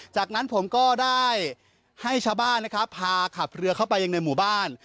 จากนั้นผมก็ได้ให้ชาวบ้านนะครับพาขับเรือเข้าไปยังในหมู่บ้าน